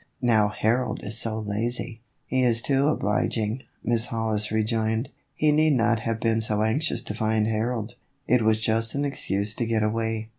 Now Harold is so lazy." " He is too obliging," Miss Hollis rejoined. " He need not have been so anxious to find Harold ; it was just an excuse to get away.